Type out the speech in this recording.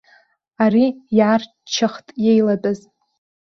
Ари иаарччахт иеилатәаз.